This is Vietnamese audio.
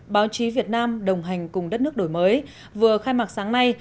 báo chí việt nam đồng hành cùng đất nước đổi mới vừa khai mạc sáng nay